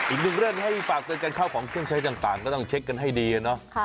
อีกหนึ่งเรื่องให้ฝากเตือนกันเข้าของเครื่องใช้ต่างก็ต้องเช็คกันให้ดีนะ